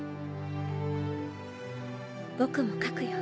僕も書くよ